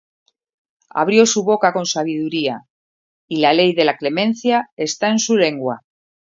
Abrió su boca con sabiduría: Y la ley de clemencia está en su lengua.